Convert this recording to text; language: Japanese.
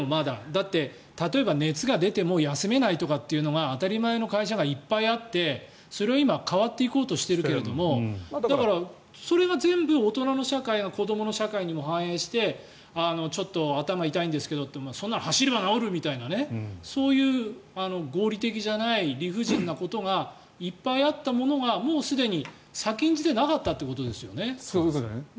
だって例えば熱が出ても休めないというのが当たり前の会社がいっぱいあってそれが今変わっていこうとしているけどだから、それが全部大人の社会が子どもの社会にも反映してちょっと頭痛いんですけどってそんなの走れば治るみたいなそういう合理的じゃない理不尽なことがいっぱいあったものがもうすでに先んじてなかったということですよね。